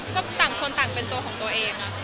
ก็ต่างคนต่างเป็นตัวของตัวเอง